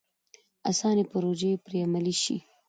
اساسي پروژې پرې عملي شي.